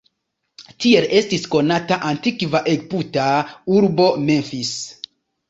Tiel estis konata antikva egipta urbo "Memphis".